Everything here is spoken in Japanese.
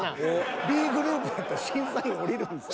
Ｂグループやったら審査員降りるんすか？